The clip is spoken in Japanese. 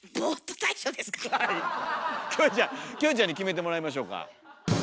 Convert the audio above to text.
キョエちゃんキョエちゃんに決めてもらいましょうか。